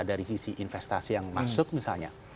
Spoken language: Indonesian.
dari sisi investasi yang masuk misalnya